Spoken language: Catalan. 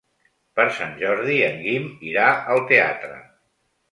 Per Sant Jordi en Guim irà al teatre.